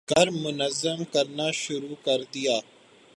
کر منظم کرنا شروع کر دیا ہے۔